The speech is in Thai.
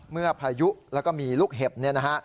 พายุแล้วก็มีลูกเห็บเนี่ยนะฮะ